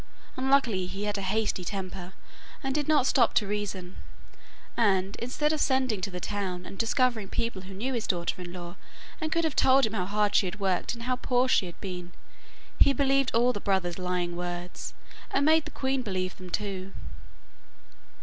Unluckily he had a hasty temper, and did not stop to reason, and, instead of sending to the town, and discovering people who knew his daughter in law and could have told him how hard she had worked and how poor she had been, he believed all the brother's lying words, and made the queen believe them too.